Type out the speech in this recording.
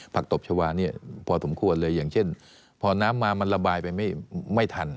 ตบชาวาเนี่ยพอสมควรเลยอย่างเช่นพอน้ำมามันระบายไปไม่ทัน